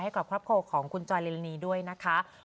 กับครอบครัวของคุณจอยลิลานีด้วยนะคะ